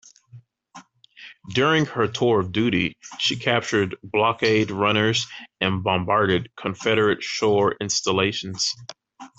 During her tour of duty, she captured blockade runners and bombarded Confederate shore installations.